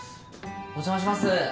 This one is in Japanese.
お邪魔します！